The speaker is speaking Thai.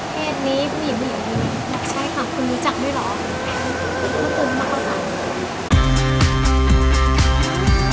เพศนี้ผู้หญิงผู้หญิงผู้หญิง